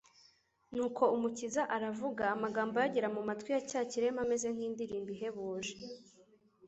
Nuko Umukiza aravuga, amagambo ye agera mu matwi ya cya kirema ameze nk'indirimbo ihebuje